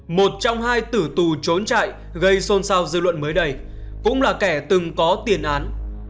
một trong hai tử tù trốn chạy gây xôn xao dư luận mới đây cũng là kẻ từng có tiền án